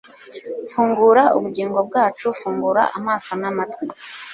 Fungura ubugingo bwacu fungura amaso namatwi